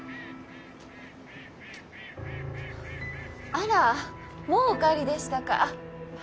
あらもうお帰りでしたか。